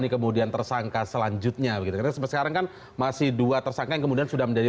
kemudian tersangka selanjutnya beres sekarang kan masih dua tersangka kemudian sudah menjadi